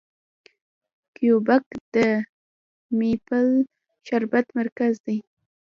کیوبیک د میپل شربت مرکز دی.